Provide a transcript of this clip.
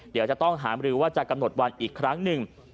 เดี๋ยวจะต้องหามรือว่าจะกำหนดวันอีกครั้งหนึ่ง